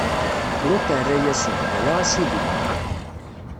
Luṭ irra-yasen: Ala, a Sidi!